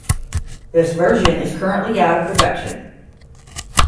This version is currently out of production.